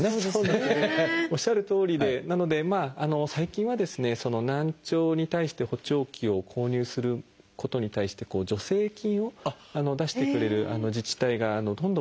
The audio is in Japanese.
おっしゃるとおりでなので最近はですねその難聴に対して補聴器を購入することに対して助成金を出してくれる自治体がどんどん増えているような状況です。